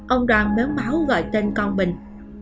ông đoàn méo máu gọi tên con mình